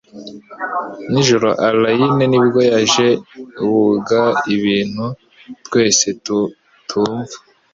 Nijoro Allayne nibwo yajeaugaibintu twese tu tumva.